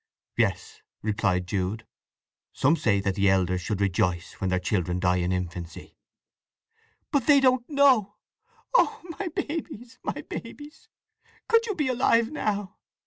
"Yes," replied Jude. "Some say that the elders should rejoice when their children die in infancy." "But they don't know! … Oh my babies, my babies, could you be alive now!